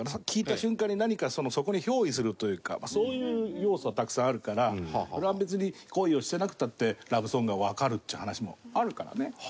聴いた瞬間に何か、そこに憑依するというかそういう要素はたくさんあるからそれは別に恋をしてなくたってラブソングがわかるっていう話もあるからね。